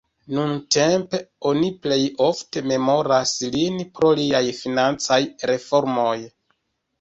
Nuntempe oni plej ofte memoras lin pro liaj financaj reformoj.